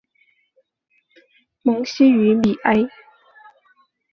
蒙希于米埃。